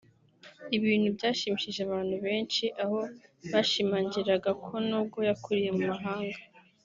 ibintu byashimishije abantu benshi aho bashimangiraga ko n’ubwo yakuriye mu mahanga